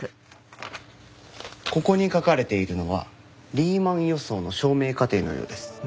ここに書かれているのはリーマン予想の証明過程のようです。